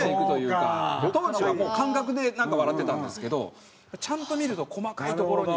当時はもう感覚でなんか笑ってたんですけどちゃんと見ると細かいところに。